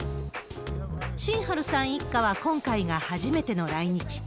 シンハルさん一家は、今回が初めての来日。